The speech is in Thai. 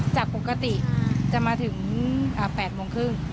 จากปกติจะมาถึง๘๓๐น